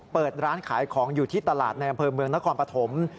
เปิดร้านขายของอยู่ที่ตลาดในอำเภอเมืองนครปฐม